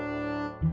ya pak sofyan